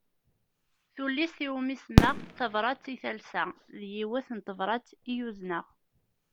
Tullist iwumi semmaɣ Tabrat i talsa, d yiwet n tebrat i uzneɣ.